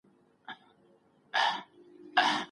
د نورو پر لارو نیوکي کول پرېږدئ.